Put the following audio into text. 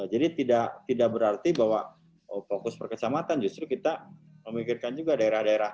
jadi tidak berarti bahwa fokus perkecamatan justru kita memikirkan juga daerah daerah